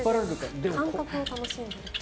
感覚を楽しんでいるという。